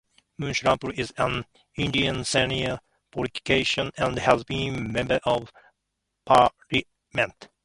Munshi Rampal is an Indian senior politician and has been Member of Parliament.